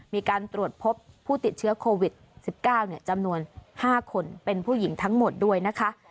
มีการตรวจพบผู้ติดเชื้อโควิด๑๙จำนวน๕คนเป็นผู้หญิงทั้งหมดด้วยนะคะ